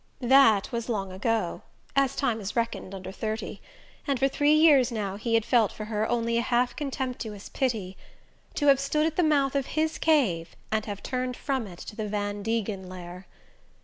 That was long ago, as time is reckoned under thirty; and for three years now he had felt for her only a half contemptuous pity. To have stood at the mouth of his cave, and have turned from it to the Van Degen lair